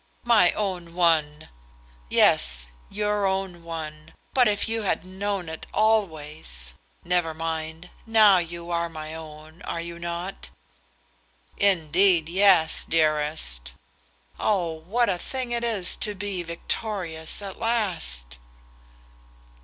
"My own one!" "Yes; your own one. But if you had known it always! Never mind. Now you are my own, are you not?" "Indeed yes, dearest." "Oh, what a thing it is to be victorious at last."